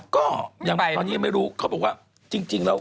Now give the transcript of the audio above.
ก็ยังตอนนี้ยังไม่รู้เขาบอกว่าจริงแล้ว